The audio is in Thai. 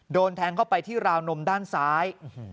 โดนแทงเข้าไปที่ราวนมด้านซ้าย